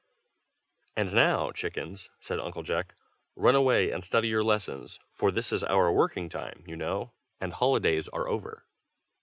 "And now, chickens," said Uncle Jack, "run away and study your lessons, for this is our working time, you know, and holidays are over."